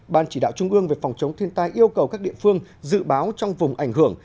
ban chỉ đạo trung ương về phòng chống thiên tai yêu cầu các địa phương dự báo trong vùng ảnh hưởng